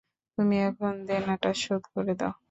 তুমি এখন দেনাটা শোধ করে দাও।